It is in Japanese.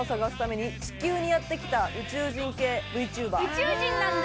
宇宙人なんだ。